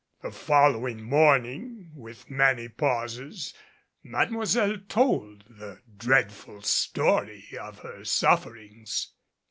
The following morning, with many pauses, Mademoiselle told the dreadful story of her sufferings.